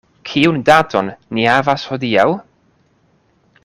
Kiun daton ni havas hodiaŭ?